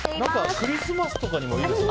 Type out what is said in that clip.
クリスマスとかにもいいですね。